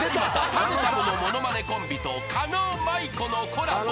たむたむのものまねコンビと狩野舞子のコラボ］